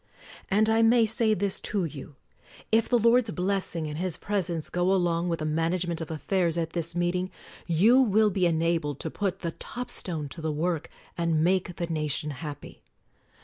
And I may say this to you: If the Lord's blessing and His presence go along with the management of af fairs at this meeting, you will be enabled to put the top stone to the work and make the nation happy.